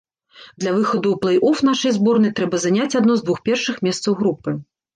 Для выхаду ў плэй-оф нашай зборнай трэба заняць адно з двух першых месцаў групы.